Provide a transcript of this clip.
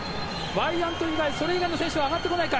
ワイヤント以外それ以外の選手は上がってこないか。